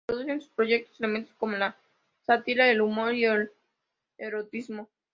Introduce en sus proyectos elementos como la sátira, el humor o el erotismo.